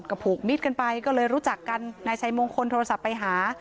ก็ผูกมิดกันไปก็เลยรู้จักกันนายชัยมงคลโทรศัพท์ไปหา